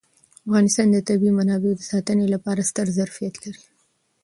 افغانستان د طبیعي منابعو د ساتنې لپاره ستر ظرفیت لري.